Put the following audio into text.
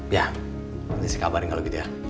ya beresiko kabar kalau begitu ya